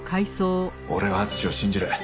俺は敦を信じる。